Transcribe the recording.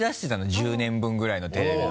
１０年分ぐらいのテレビの。